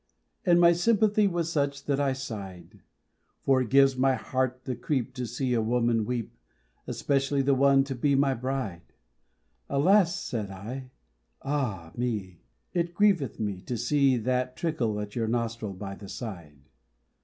And my sympathy was such, that I sighed; For it gives my heart the creep, To see a woman weep, Especially the one to be my Bride. "Alas!" said I, "Ah! me, It grieveth me, to see That trickle, at your nostril, by the side."